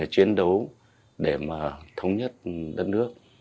chiến đấu để mà thống nhất đất nước